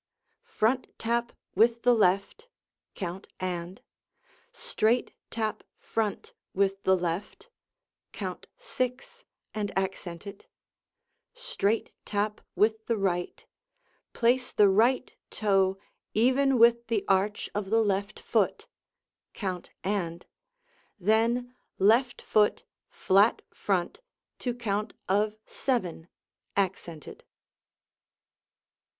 Front tap with the left (count "and"), straight tap front with the left (count "six" and accent it), straight tap with the right, place the right toe even with the arch of the left foot (count "and") then left foot flat front to count of "seven" accented.